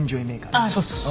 あっそうそうそう。